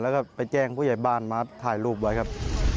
แล้วก็ไปแจ้งผู้ใหญ่บ้านมาถ่ายรูปไว้ครับ